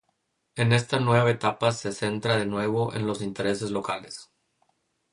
En esta nueva etapa se centra de nuevo en los intereses locales.